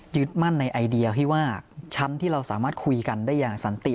มั่นในไอเดียที่ว่าช้ำที่เราสามารถคุยกันได้อย่างสันติ